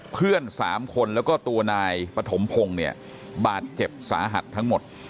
เพื่อน๓คนแล้วก็ตัวนายปฐมพงศ์เนี่ยบาดเจ็บสาหัสทั้งหมด